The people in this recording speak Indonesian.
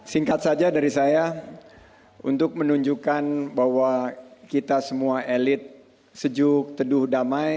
singkat saja dari saya untuk menunjukkan bahwa kita semua elit sejuk teduh damai